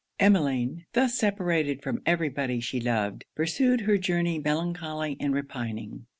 Emmeline, thus separated from every body she loved, pursued her journey melancholy and repining.